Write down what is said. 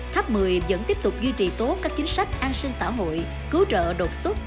tháp một mươi vẫn tiếp tục duy trì tốt các chính sách an sinh xã hội cứu trợ đột xuất